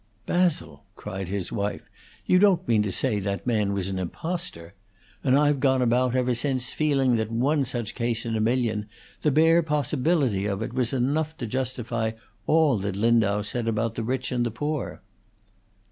"Basil!" cried his wife. "You don't mean to say that man was an impostor! And I've gone about, ever since, feeling that one such case in a million, the bare possibility of it, was enough to justify all that Lindau said about the rich and the poor!"